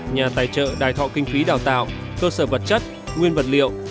nhà tài trợ đài thọ kinh phí đào tạo cơ sở vật chất nguyên vật liệu